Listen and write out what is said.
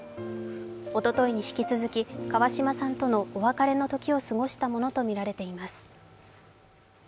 おとといに引き続き、川嶋さんとのお別れの時を過ごしたものとみられています。